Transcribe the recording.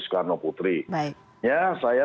soekarno putri ya saya